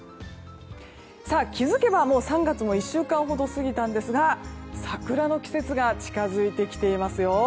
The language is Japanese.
気づけば、もう３月も１週間ほど過ぎましたが桜の季節が近づいてきていますよ。